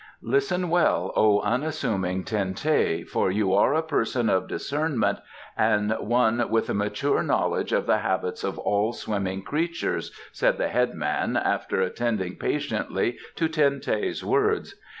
"Listen well, O unassuming Ten teh, for you are a person of discernment and one with a mature knowledge of the habits of all swimming creatures," said the headman after attending patiently to Ten teh's words.